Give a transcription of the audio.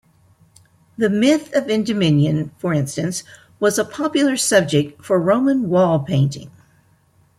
The myth of Endymion, for instance, was a popular subject for Roman wall painting.